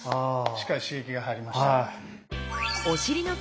しっかり刺激が入りました。